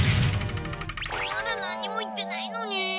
まだなんにも言ってないのに。